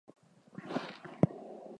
Pronotum convex.